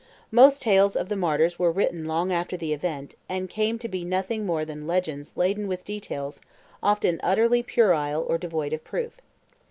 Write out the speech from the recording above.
Most tales of the martyrs were written long after the event, and came to be nothing more than legends laden with details often utterly puerile or devoid of proof.